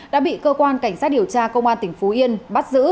đã bị cơ quan cảnh sát điều tra công an tỉnh phú yên bắt giữ